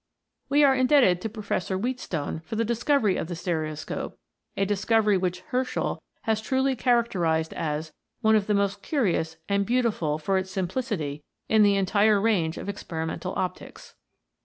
We are indebted to Professor Wheatstone for the TWO EYES ARE BETTER THAN ONE. Ill discovery of the stereoscope, a discovery which Herschel has truly characterized as " one of the most curious and beautiful for its simplicity in the entire range of experimental optics."